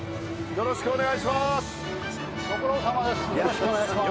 よろしくお願いします。